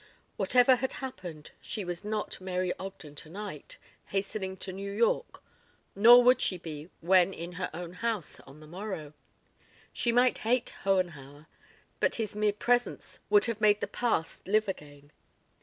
Whatever had happened, she was not Mary Ogden tonight, hastening to New York, nor would she be when in her own house on the morrow. She might hate Hohenhauer, but his mere presence would have made the past live again.